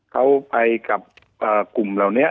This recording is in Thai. เขาไปกับกลุ่มเหล่านี้